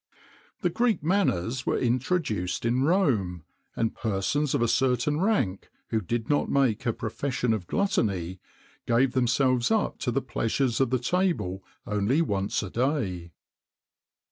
[XXIX 32] The Greek manners were introduced in Rome, and persons of a certain rank, who did not make a profession of gluttony, gave themselves up to the pleasures of the table only once a day.